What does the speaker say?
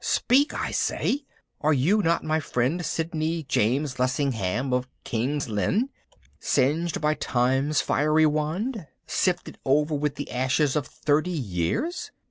Speak, I say! Are you not my friend Sidney James Lessingham of King's Lynn ... singed by time's fiery wand ... sifted over with the ashes of thirty years?